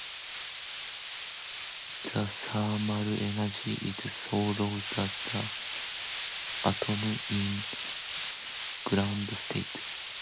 The thermal energy is so low that the atom is in ground state.